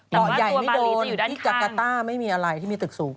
เกาะใหญ่ไม่โดนที่จักราต้าไม่มีอะไรที่มีตึกสูง